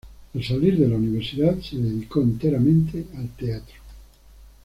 Al salir de la universidad se dedicó enteramente al teatro.